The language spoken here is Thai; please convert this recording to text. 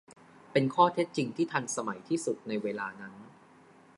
เป็นข้อเท็จจริงที่ทันสมัยที่สุดในเวลานั้น